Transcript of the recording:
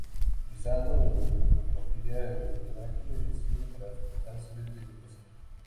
Utilizado en fotografía y rodaje de cine para soportar accesorios de iluminación.